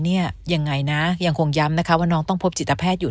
ยังไงนะยังคงย้ำนะคะว่าน้องต้องพบจิตแพทย์อยู่